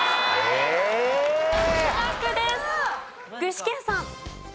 具志堅さん。